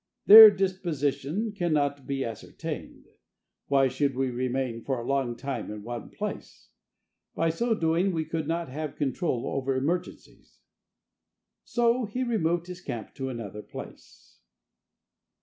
"Their disposition cannot be ascertained. Why should we remain for a long time in one place? By so doing we could not have control over emergencies!" So he removed his camp to another place.